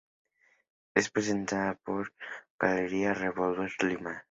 Es representada por la Galería Revolver, Lima.